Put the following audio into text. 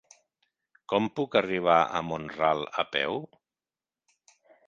Com puc arribar a Mont-ral a peu?